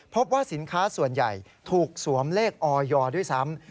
พบว่าสินค้าส่วนใหญ่ถูกสวมเลขออยด้วยซ้ำ